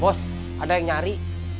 bos ada yang nyari